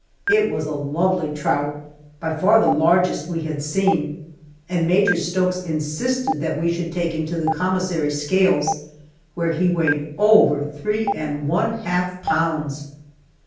It was a lovely trout by far the largest we had seen, and Major Stokes insisted that we should take him to the commissary scales, where he weighed over three and one half pounds!